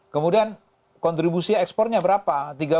kemudian kontribusi ekspornya berapa